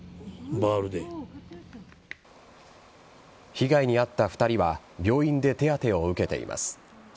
被害に遭った２人は病院で手当を受けています。